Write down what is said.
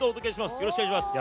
よろしくお願いします。